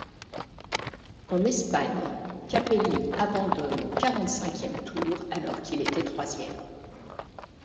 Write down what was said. En Espagne, Capelli abandonne au quarante-cinquième tour alors qu'il était troisième.